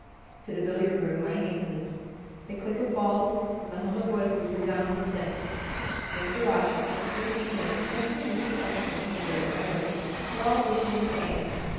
To the billiard room I hastened: the click of balls and the hum of voices resounded thence; Mr. Rochester, Miss Ingram, the two Misses Eshton, and their admirers, were all busied in the game.